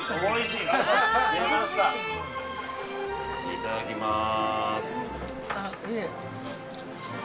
◆いただきます。